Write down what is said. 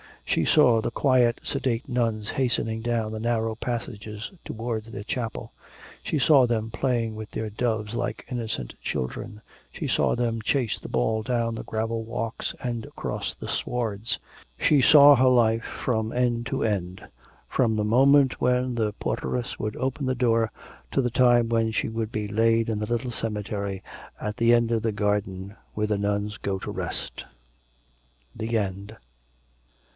She saw the quiet sedate nuns hastening down the narrow passages towards their chapel. She saw them playing with their doves like innocent children, she saw them chase the ball down the gravel walks and across the swards. She saw her life from end to end, from the moment when the porteress would open the door to the time when she would be laid in the little cemetery at the end of the garden where the nuns go to rest. THE END.